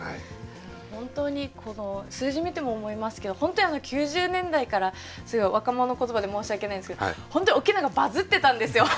本当にこの数字見ても思いますけど本当に９０年代から若者言葉で申し訳ないんですけど本当沖縄がバズってたんですよ。